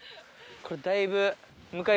これだいぶ。